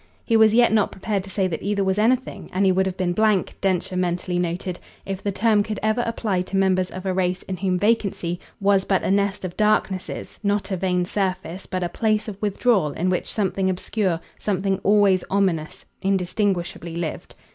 He was yet not prepared to say that either was anything, and he would have been blank, Densher mentally noted, if the term could ever apply to members of a race in whom vacancy was but a nest of darknesses not a vain surface, but a place of withdrawal in which something obscure, something always ominous, indistinguishably lived.